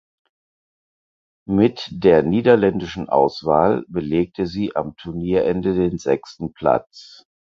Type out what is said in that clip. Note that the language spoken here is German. Mit der niederländischen Auswahl belegte sie am Turnierende den sechsten Platz.